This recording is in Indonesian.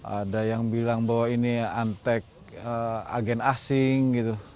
ada yang bilang bahwa ini antek agen asing gitu